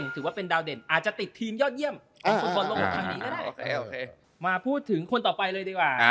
ถือว่าเป็นดาวเด่นอาจจะติดทีมยอดเยี่ยมของฟุตบอลโลกครั้งนี้ก็ได้มาพูดถึงคนต่อไปเลยดีกว่า